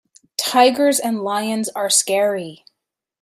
Tigers and lions are scary.